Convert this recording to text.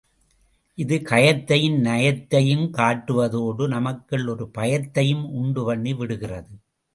இது கயத்தையும், நயத்தையுங் காட்டுவதோடு நமக்குள் ஒரு பயத்தையும் உண்டு பண்ணி விடுகிறது.